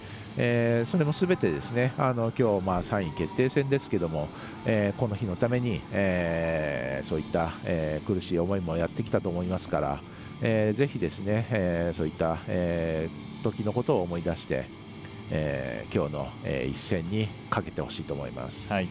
そういうのもすべてきょう、３位決定戦ですけどこの日のために、そういった苦しい思いもやってきたと思いますからぜひ、そういったときのことを思い出してきょうの一戦にかけてほしいなと思います。